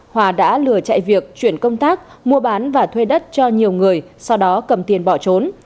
hòa đã lừa chạy việc chuyển công tác mua bán và thuê đất cho nhiều người sau đó cầm tiền bỏ trốn